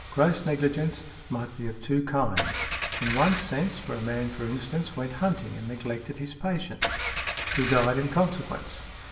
"Gross negligence might be of two kinds; in one sense, where a man, for instance, went hunting, and neglected his patient, |88| who died in consequence.